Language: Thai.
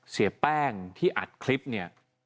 เสียแป้งที่อัดคลิปเนี่ย